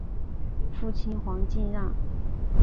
父亲黄敬让。